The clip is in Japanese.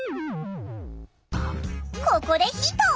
ここでヒント！